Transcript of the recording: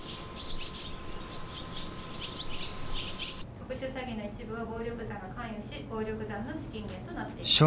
特殊詐欺の一部は暴力団が関与し暴力団の資金源となっています。